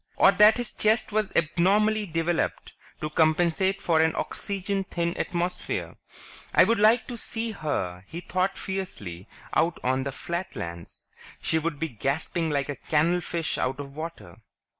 Or that his chest was abnormally developed to compensate for an oxygen thin atmosphere? I'd like to see her, he thought fiercely, out on the Flatlands; she'd be gasping like a canal fish out of water.